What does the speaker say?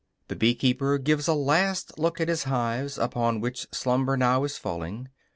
The bee keeper gives a last look at his hives, upon which slumber now is falling.